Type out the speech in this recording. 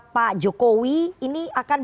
pak jokowi ini akan